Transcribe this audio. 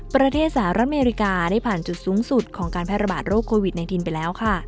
ประเทศสหรัฐอเมริกาได้ผ่านจุดสูงสุดของการแพร่ระบาดโรคโควิด๑๙ไปแล้วค่ะ